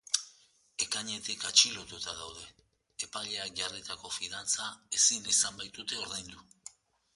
Ekainetik atxilotuta daude, epaileak jarritako fidantza ezin izan baitute ordaindu.